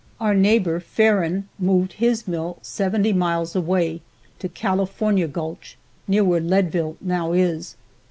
Our neighbor, Farren, moved his mill seventy miles away, to California gulch, near where Leadville now is.